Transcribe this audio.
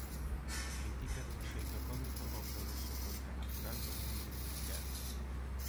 Critica dun xeito cómico o progreso contranatural do mundo industrial.